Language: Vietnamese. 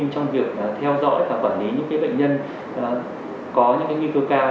trong việc theo dõi và quản lý những bệnh nhân có những nguy cơ cao